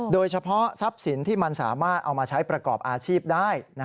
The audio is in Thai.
โดยเฉพาะทรัพย์สินที่มันสามารถเอามาใช้ประกอบอาชีพได้